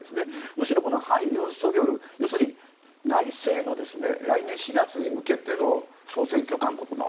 むしろ反尹錫悦要するに内政の来年４月に向けての総選挙、韓国の。